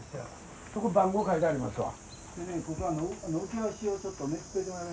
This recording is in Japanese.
そこ番号書いてありますわ。